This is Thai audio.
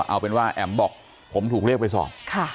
เอาเป็นว่าแอ๋มบอกผมถูกเรียกไปสอบ